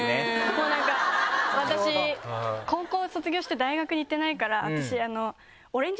もうなんか私高校卒業して大学に行ってないから私。